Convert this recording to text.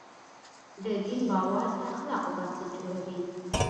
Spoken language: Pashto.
د دین باور د اخلاقو بنسټ جوړوي.